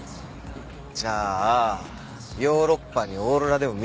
じゃあヨーロッパにオーロラでも見に行こう。